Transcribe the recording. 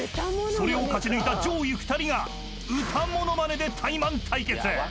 ［それを勝ち抜いた上位２人が歌ものまねで］